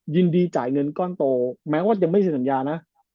ยินดีจ่ายเงินก้อนโตแม้ว่ายังไม่เซ็นสัญญานะ